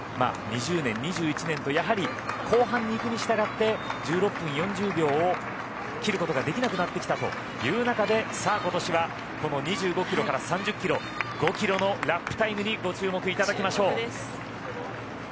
２０年、２１年とやはり後半にいくにしたがって１６分４０秒を切ることができなくなってきたという中で今年はこの２５キロから３０キロ５キロのラップタイムにご注目いただきましょう。